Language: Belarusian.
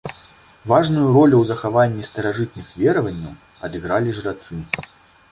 Важную ролю ў захаванні старажытных вераванняў адыгралі жрацы.